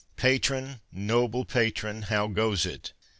—Patron—noble patron, how goes it?